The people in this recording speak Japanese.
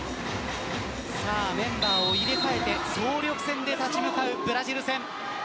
メンバーを入れ替えて総力戦で立ち向かうブラジル戦。